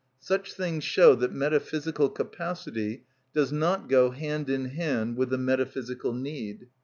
Such things show that metaphysical capacity does not go hand in hand with the metaphysical need.